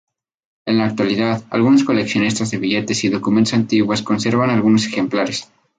En la actualidad, algunos coleccionistas de billetes y documentos antiguos conservan algunos ejemplares.